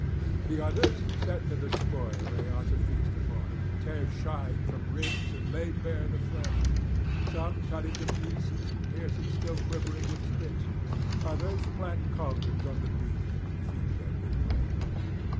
The others set to the spoil they are to feast upon, tear chine from ribs and lay bare the flesh; some cut it into pieces and pierce it still quivering with spits; others plant cauldrons on the beach and feed them with flame.